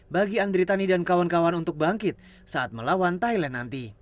bagi andritani dan kawan kawan untuk bangkit saat melawan thailand